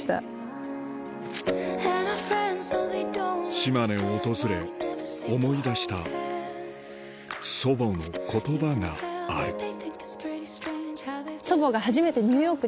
島根を訪れ思い出した祖母の言葉がある当時。